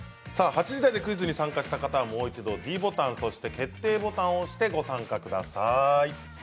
８時台でクイズに参加した方は、もう一度ｄボタンそして決定ボタンを押してご参加ください。